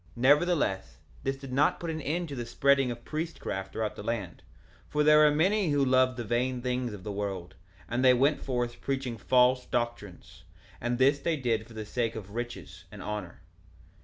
1:16 Nevertheless, this did not put an end to the spreading of priestcraft through the land; for there were many who loved the vain things of the world, and they went forth preaching false doctrines; and this they did for the sake of riches and honor.